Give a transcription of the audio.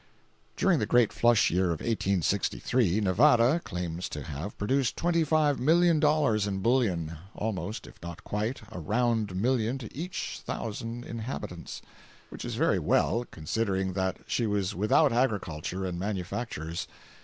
During the great flush year of 1863, Nevada [claims to have] produced $25,000,000 in bullion—almost, if not quite, a round million to each thousand inhabitants, which is very well, considering that she was without agriculture and manufactures.